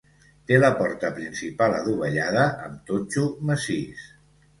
Té la porta principal adovellada amb totxo massís.